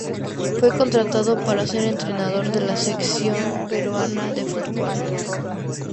Fue contratado para ser entrenador de la Selección Peruana de Fútbol.